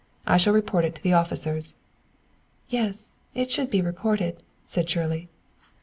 I shall report it to the officers." "Yes, it should be reported," said Shirley.